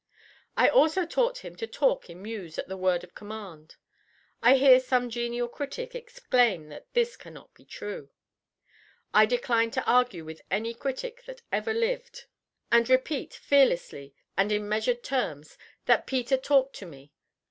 I also taught him to talk in mews at the word of command. I hear some genial critic exclaim that this cannot be true. I decline to argue with any critic that ever lived, and repeat, fearlessly, and in measured terms, that Peter talked to _me.